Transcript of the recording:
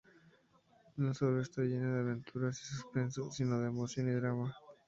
No solo está llena de aventuras y suspenso, sino de emoción y drama.